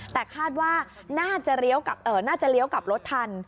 แต่คาดว่าน่าจะเลี้ยวกลับรถทัน